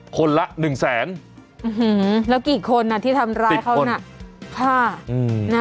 คนละหนึ่งแซนหื้อหือแล้วกี่คนอ่ะที่ทำร้ายเขานะ